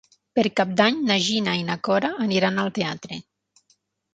Per Cap d'Any na Gina i na Cora aniran al teatre.